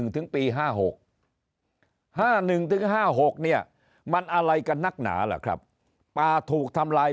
ถึงปี๕๖๕๑๕๖เนี่ยมันอะไรกันนักหนาล่ะครับปลาถูกทำลาย